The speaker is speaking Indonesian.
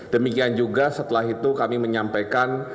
demikian juga setelah itu kami menyampaikan